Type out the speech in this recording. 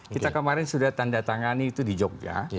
kita kemarin sudah tanda tangani itu di jogja